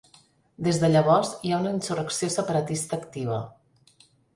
Des de llavors hi ha una insurrecció separatista activa.